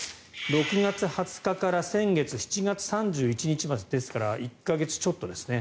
６月２０日から先月７月３１日までですから１か月ちょっとですね。